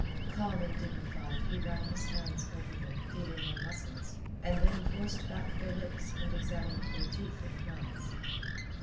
Calm and dignified he ran his hands over them feeling their muscles, and then forced back their lips and examined their teeth and mouths.